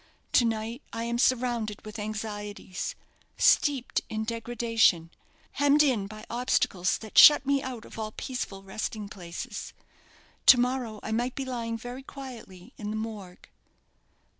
To night I am surrounded with anxieties, steeped in degradation, hemmed in by obstacles that shut me out of all peaceful resting places. To morrow I might be lying very quietly in the Morgue."